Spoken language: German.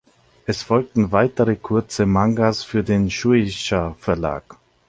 Es folgten weitere kurze Mangas für den Shueisha-Verlag.